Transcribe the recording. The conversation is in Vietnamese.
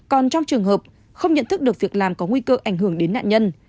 còn trong trường hợp không nhận thức được việc làm có nguy cơ ảnh hưởng đến nạn nhân